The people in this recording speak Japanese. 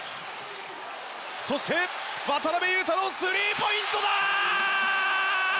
そして渡邊雄太のスリーポイントだ！